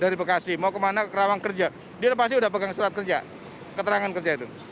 dari bekasi mau kemana ke kerawang kerja dia pasti udah pegang surat kerja keterangan kerja itu